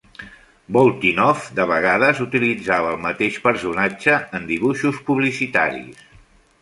Boltinoff de vegades utilitzava el mateix personatge en dibuixos publicitaris.